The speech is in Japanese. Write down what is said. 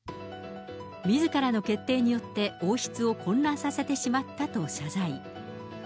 みずからの決定によって、王室を混乱させてしまったと謝罪。